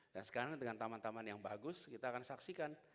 dan sekarang dengan taman taman yang bagus kita akan saksikan